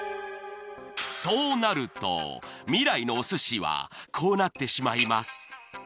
そうなると未来のお寿司はこうなってしまいます